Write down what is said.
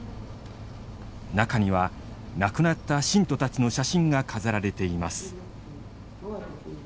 中には亡くなった信徒たちの写真が飾られています。